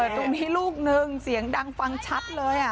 มีระเบิดตรงนี้ลูกหนึ่งเสียงดังฟังชัดเลย